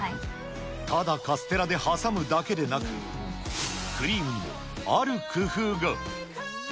ただカステラで挟むだけでなく、クリームにもある工夫が。